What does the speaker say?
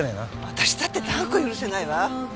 私だって断固許せないわ。